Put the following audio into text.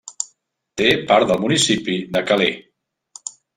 Té part del municipi de Calais.